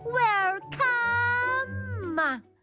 เวลคัม